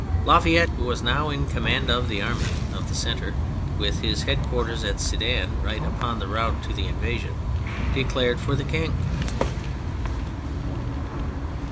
La Fayette, who was now in com mand of the army of the centre, with his head quarters at Sedan, right upon the route of the invasion, declared for the King.